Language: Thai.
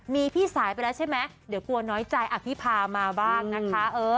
มีพี่สายไปแล้วใช่ไหมเดี๋ยวกลัวน้อยใจอภิพามาบ้างนะคะ